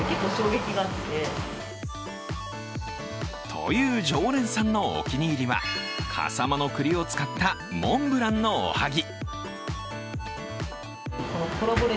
という常連さんのお気に入りは笠間の栗を使ったモンブランのおはぎ。